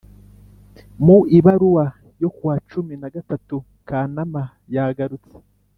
mu ibaruwa yo ku wa cumi na gatatu kanama yagarutse